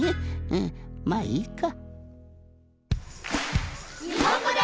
うんまあいいか。